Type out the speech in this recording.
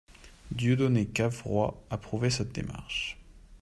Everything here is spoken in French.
Dieudonné Cavrois approuvait cette démarche.